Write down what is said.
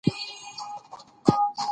ملګري د ستونزو پر مهال یو بل ته ملا تړ وي